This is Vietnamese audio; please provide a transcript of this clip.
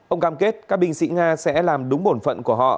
ông cam kết các binh sĩ nga sẽ làm đúng bổn phận của họ